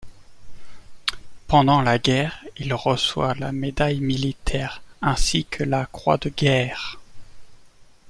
Pendant la guerre, il reçoit la médaille militaire, ainsi que la Croix de guerre.